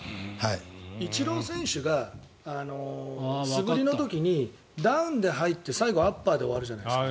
イチロー選手が素振りの時にダウンで入って最後アッパーで終わるじゃないですか。